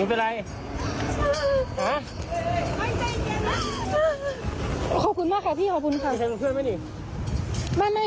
สวัสดีครับ